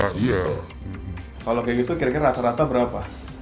kalau kayak gitu kira kira rata rata berapa